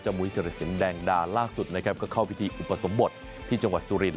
มุยธิรสินแดงดาล่าสุดนะครับก็เข้าพิธีอุปสมบทที่จังหวัดสุรินท